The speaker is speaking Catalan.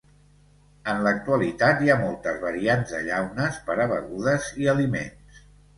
En l'actualitat hi ha moltes variants de llaunes per a begudes i aliments.